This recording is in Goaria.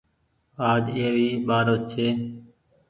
آج اي ري ٻآرس ڇي۔